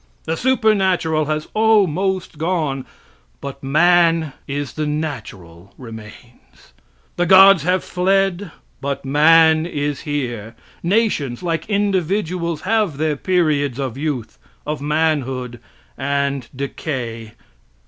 The supernatural has almost gone, but man is the natural remains. The gods have fled, but man is here. Nations, like individuals, have their periods of youth, of manhood and decay.